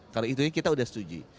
kalau itu kita sudah setuju